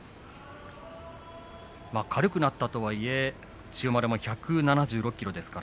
軽くなったとはいえ千代丸も１７６ｋｇですから。